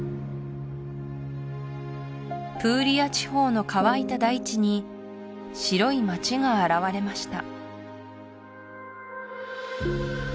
プーリア地方の乾いた大地に白い町が現れました